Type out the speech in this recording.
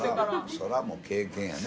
そらもう経験やね。